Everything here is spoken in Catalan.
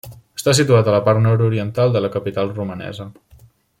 Està situat a la part nord-oriental de la capital romanesa.